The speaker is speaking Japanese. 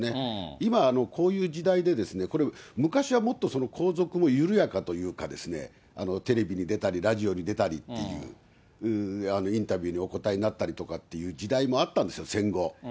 今、こういう時代で、これ、昔はもっと皇族も緩やかというか、テレビに出たり、ラジオに出たりっていう、インタビューにお答えになったりとかっていう時代もあったんですよ、戦後。